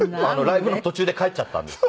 ライブの途中で帰っちゃったんです。